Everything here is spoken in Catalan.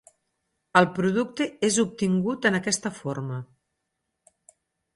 El producte és obtingut en aquesta forma.